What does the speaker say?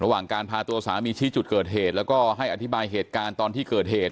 ระหว่างการพาตัวสามีชี้จุดเกิดเหตุแล้วก็ให้อธิบายเหตุการณ์ตอนที่เกิดเหตุ